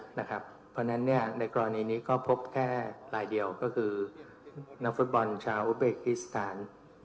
เพราะฉะนั้นในกรณีนี้ก็พบแค่รายเดียวก็คือนักฟุตบอลชาวอุเบกิสถาน